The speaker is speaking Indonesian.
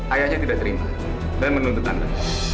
ayahnya tidak terima dan menuntut anda